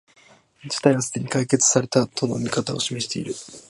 事態はすでに解決された、との見方を示している